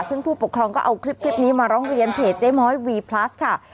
ซึ่งผู้ปกครองก็เอาคลิปนี้มาร้องเรียนเพจเจ๊ม้อยวีพลัสค่ะ